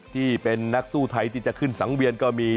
ที่เป็นนักสู้ไทยที่จะขึ้นสังเวียนก็มี